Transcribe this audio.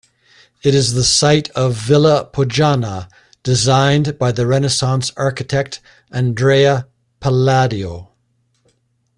It is the site of Villa Pojana, designed by the Renaissance architect Andrea Palladio.